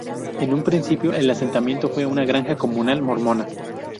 En un principio el asentamiento fue una granja comunal mormona.